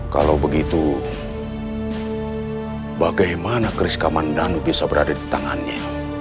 kalau begitu bagaimana keris kamandanu bisa berada di tangannya